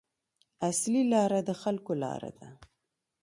اصلي لاره د خلکو لاره ده.